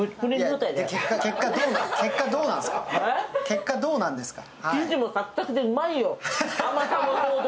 結果どうなんですか？